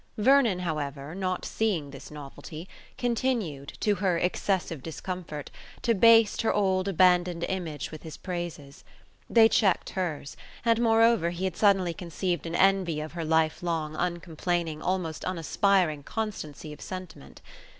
Vernon, however, not seeing this novelty, continued, to her excessive discomfort, to baste her old abandoned image with his praises. They checked hers; and, moreover, he had suddenly conceived an envy of her life long, uncomplaining, almost unaspiring, constancy of sentiment.